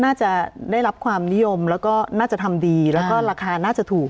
น่าจะได้รับความนิยมแล้วก็น่าจะทำดีแล้วก็ราคาน่าจะถูก